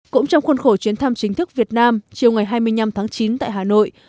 cũng trong khuôn khổ chuyến thăm chính thức việt nam chiều ngày hai mươi năm tháng chín tại hà nội